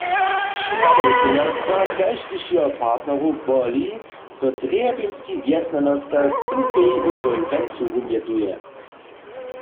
Čłonow towarstwa kaž tež jeho partnerow boli, zo Trjebinski wjesnjanosta cyłkej insolwencu wumjetuje.